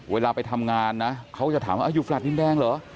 เวลาไปทำงานนะเขาจะถามว่าอยู่แฟลต์ดินแดงเหรอ